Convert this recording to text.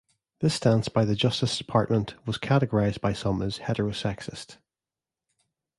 This stance by the Justice Department was categorized by some as heterosexist.